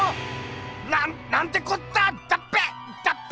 なんなんてこっただっぺだっぺ！